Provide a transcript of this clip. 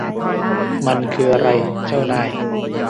มันคืออะไร เจ้านาย